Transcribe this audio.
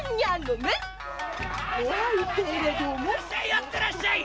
よってらっしゃい！